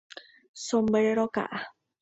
Sombrero ka'a.